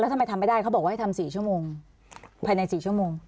ทำไมทำไม่ได้เขาบอกว่าให้ทำ๔ชั่วโมงภายใน๔ชั่วโมง